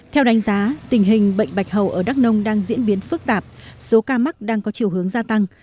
theo đánh giá tình hình bệnh bạch hầu ở đắk nông đang diễn biến phức tạp số ca mắc đang có chiều hướng gia tăng